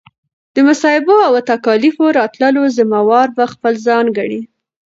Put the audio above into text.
د مصائبو او تکاليفو راتللو ذمه وار به خپل ځان ګڼي